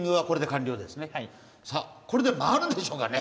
さあこれで回るんでしょうかね？